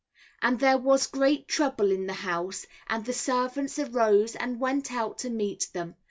And there was great trouble in the House, and the servants arose and went out to meet them.